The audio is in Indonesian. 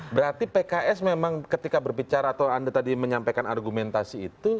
berarti pks memang ketika berbicara atau anda tadi menyampaikan argumentasi itu